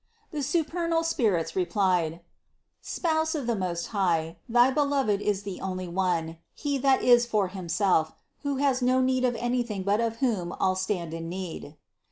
382. And the supernal spirits replied: "Spouse of the Most High, thy Beloved is the only One, He that is for Himself, who has no need of anything but of whom all stand in need.